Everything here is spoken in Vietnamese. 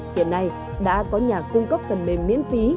hiện nay đã có nhà cung cấp phần mềm miễn phí